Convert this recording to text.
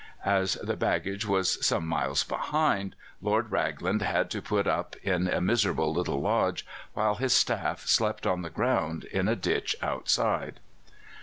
As the baggage was some miles behind, Lord Raglan had to put up in a miserable little lodge, while his staff slept on the ground in a ditch outside.